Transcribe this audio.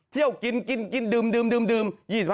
เที่ยวกินกินกินกินดื่มดื่มดื่ม๒๕๒๖๒๕๒๗๒๘๒๙